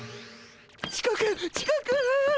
ちこくちこく。